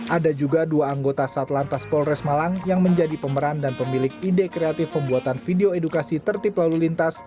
ada juga dua anggota satlantas polres malang yang menjadi pemeran dan pemilik ide kreatif pembuatan video edukasi tertib lalu lintas